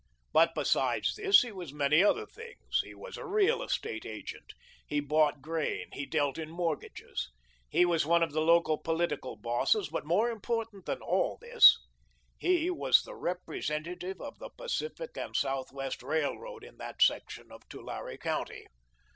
But besides this he was many other things. He was a real estate agent. He bought grain; he dealt in mortgages. He was one of the local political bosses, but more important than all this, he was the representative of the Pacific and Southwestern Railroad in that section of Tulare County.